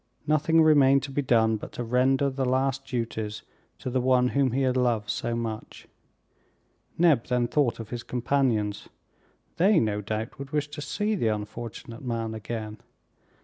Nothing remained to be done but to render the last duties to the one whom he had loved so much! Neb then thought of his companions. They, no doubt, would wish to see the unfortunate man again.